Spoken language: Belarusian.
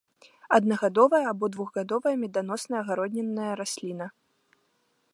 Аднагадовая або двухгадовая меданосная агароднінная расліна.